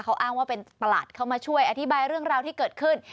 เขาอ้างว่าเป็นประหลัดเข้ามาช่วยอธิบายเรื่องราวที่เกิดขึ้น